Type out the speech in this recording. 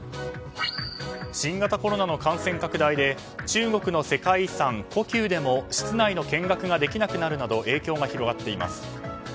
新型コロナの感染拡大で中国の世界遺産、故宮でも室内の見学ができなくなるなど影響が広がっています。